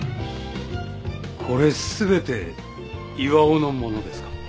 これ全て巌のものですか？